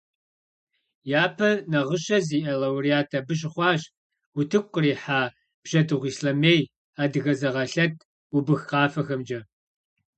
Япэ нагъыщэ зиӏэ лауреат абы щыхъуащ утыку кърихьа «Бжьэдыгъу ислъэмей», «Адыгэ зэгъэлъэт», «Убых» къафэхэмкӏэ.